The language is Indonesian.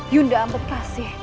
yunda ambek kase